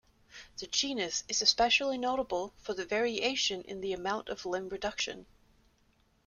The genus is especially notable for the variation in the amount of limb reduction.